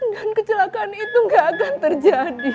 dan kecelakaan itu gak akan terjadi